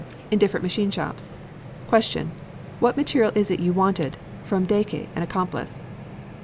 In different machine shops. Q. What material is it you wanted (from Daeche, an accomplice)?